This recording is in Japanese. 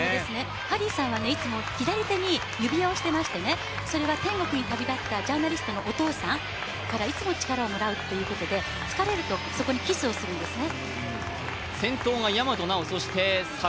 ハリーさんはいつも左手に指輪をしていましてそれは天国に旅立ったジャーナリストのお父さんからいつも力をもらうということで疲れると、そこにキスをするんですね。